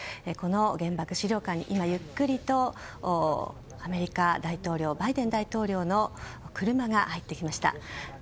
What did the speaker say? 原爆資料館に今ゆっくりとアメリカ大統領バイデン大統領の車が入ってきました。